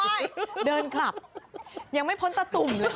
ไม่ต้องไหว้เดินขับยังไม่พ้นตาตุ่มเลยคน